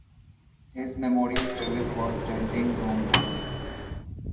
His memorial service was standing room only.